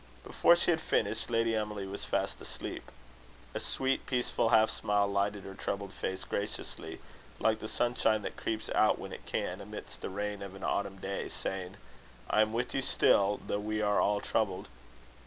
Before she had finished, Lady Emily was fast asleep. A sweet peaceful half smile lighted her troubled face graciously, like the sunshine that creeps out when it can, amidst the rain of an autumn day, saying, "I am with you still, though we are all troubled."